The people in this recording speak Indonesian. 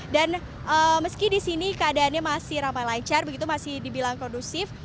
dan meski di sini keadaannya masih ramai lancar masih dibilang kondusif